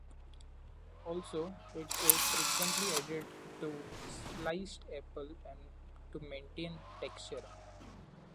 Also, it is frequently added to sliced apples to maintain texture.